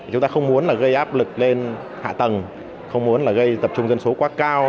chúng ta không muốn gây áp lực lên hạ tầng không muốn là gây tập trung dân số quá cao